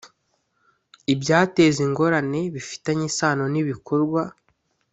ibyateza ingorane bifitanye isano n ibikorwa